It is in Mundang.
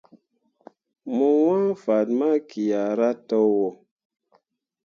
Mo wãã fan ma kiahra towo.